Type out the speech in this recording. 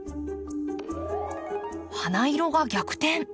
花色が逆転。